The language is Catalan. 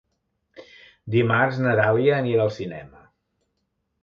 Dimarts na Dàlia anirà al cinema.